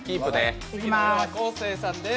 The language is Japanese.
次は昴生さんです。